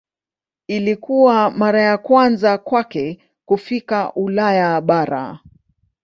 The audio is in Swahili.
Ilikuwa mara ya kwanza kwake kufika Ulaya bara.